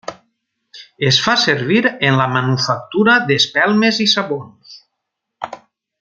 Es fa servir en la manufactura d'espelmes i sabons.